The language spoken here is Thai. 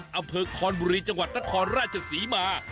อำเภอคอนบุรีจังหวัดนครราชศรีมา